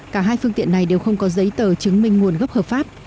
cả hai phương tiện này đều không có giấy tờ chứng minh nguồn gốc hợp pháp